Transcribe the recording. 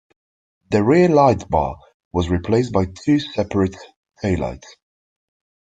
The rear lightbar was replaced by two separate taillights.